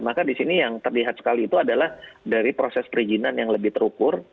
maka di sini yang terlihat sekali itu adalah dari proses perizinan yang lebih terukur